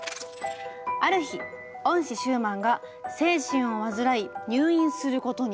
ある日恩師シューマンが精神を患い入院することに。